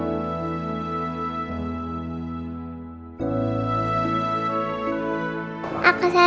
biar theseo akan nanti kerasih